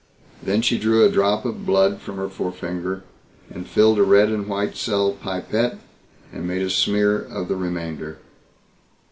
Then she drew a drop of blood from her forefinger and filled a red and white cell pipette, and made a smear of the remainder.